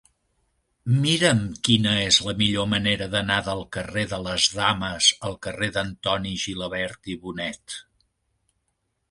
Mira'm quina és la millor manera d'anar del carrer de les Dames al carrer d'Antoni Gilabert i Bonet.